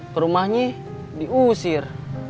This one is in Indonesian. ke rumahnya diusir